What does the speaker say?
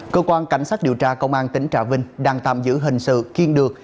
cơ quan cảnh sát điều tra công an tỉnh trà vinh đang tạm giữ hình sự kiên được